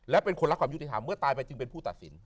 และเป็นคนรักความยุติธรรมเมื่อตายไปจึงเป็นผู้ตัดสิน